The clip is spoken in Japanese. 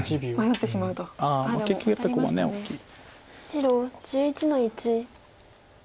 白１１の一。